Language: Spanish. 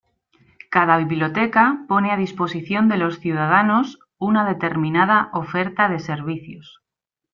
Cada biblioteca pone a disposición de los ciudadanos una determinada oferta de servicios.